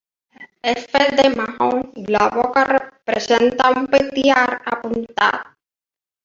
És fet de maons, i la boca presenta un petit arc apuntat.